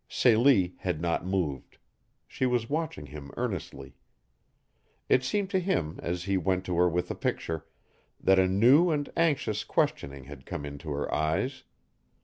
Celie had not moved. She was watching him earnestly. It seemed to him, as he went to her with the picture, that a new and anxious questioning had come into her eyes.